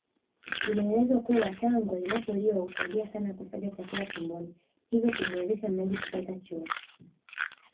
Inaelezwa kuwa tango linapoliwa husaidia sana kusaga chakula tumboni hivyo kumuwezesha mlaji kupata choo